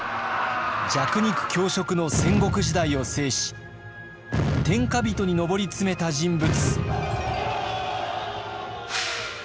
弱肉強食の戦国時代を制し天下人に上り詰めた人物。